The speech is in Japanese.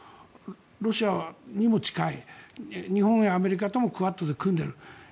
ロシアにも近い日本やアメリカともクアッドで組んでいる。